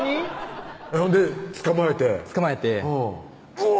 ほんで捕まえて捕まえてうお！